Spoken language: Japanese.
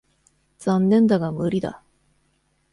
残念だが無理だ。